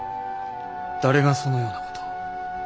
誰がそのようなことを？